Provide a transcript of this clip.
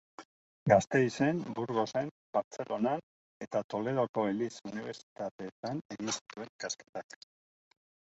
Gasteizen, Burgosen, Bartzelonan eta Toledoko eliz-unibertsitateetan egin zituen ikasketak.